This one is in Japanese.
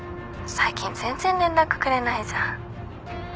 最近全然連絡くれないじゃん。